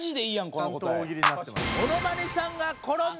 ちゃんと大喜利になってます。